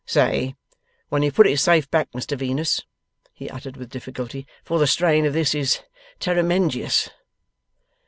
'Say when you've put it safe back, Mr Venus,' he uttered with difficulty, 'for the strain of this is terrimenjious.